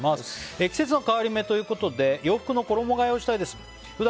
季節の変わり目ということで洋服の衣替えをしたいです。